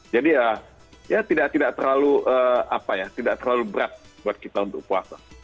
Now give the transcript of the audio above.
jadi ya tidak tidak terlalu apa ya tidak terlalu berat buat kita untuk puasa